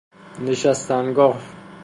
نشستنگاه